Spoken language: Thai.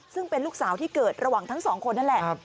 ซึ่งเป็นลูกสาวที่เกิดระหว่างทั้งสองคนนั่นแหละ